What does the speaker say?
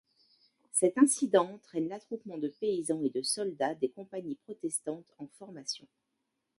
Cet incident entraîne l'attroupement de paysans et de soldats des compagnies protestantes en formation.